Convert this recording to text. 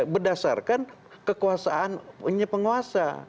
berdasarkan kekuasaan punya penguasa